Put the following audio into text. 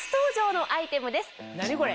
何これ？